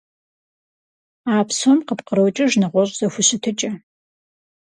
А псом къыпкърокӀыж нэгъуэщӀ зэхущытыкӀэ.